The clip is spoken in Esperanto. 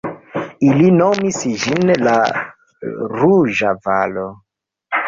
Ili nomis ĝin la Ruĝa Valo.